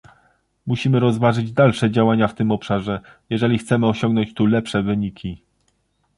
Musimy rozważyć dalsze działania w tym obszarze, jeżeli chcemy osiągnąć tu lepsze wyniki